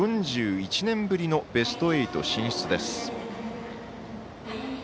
４１年ぶりのベスト８進出です。